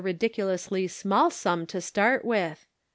265 ridiculously small sum to start with